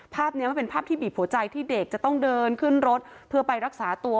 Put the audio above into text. ภาพนี้มันเป็นภาพที่บีบหัวใจที่เด็กจะต้องเดินขึ้นรถเพื่อไปรักษาตัว